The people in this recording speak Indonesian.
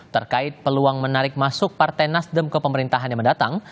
terkait peluang menarik masuk partai nasdem ke pemerintahan yang mendatang